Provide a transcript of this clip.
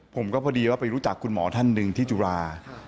พอดีว่าไปรู้จักคุณหมอท่านหนึ่งที่จุฬา